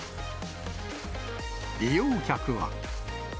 利用客は。